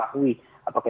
apakah ini bisa ditemukan